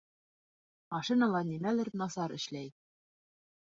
Машинала нимәлер насар эшләй